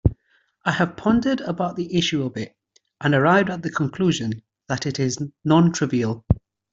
I have pondered about the issue a bit and arrived at the conclusion that it is non-trivial.